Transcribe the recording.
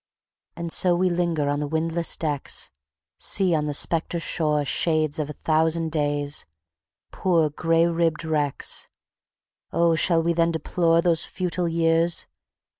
And so we linger on the windless decks, See on the spectre shore Shades of a thousand days, poor gray ribbed wrecks... Oh, shall we then deplore Those futile years!